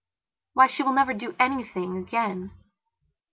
Why, she will never do anything again.